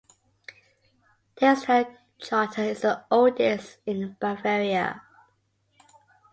This town charter is the oldest in Bavaria.